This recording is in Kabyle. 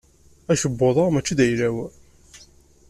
Akebbuḍ-a mačči d ayla-w.